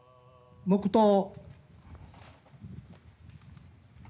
黙とう。